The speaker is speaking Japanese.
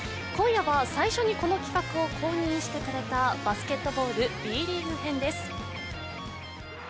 今夜は、最初にこの企画を公認してくれたバスケットボールＢリーグ編です。